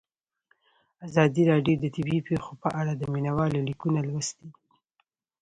ازادي راډیو د طبیعي پېښې په اړه د مینه والو لیکونه لوستي.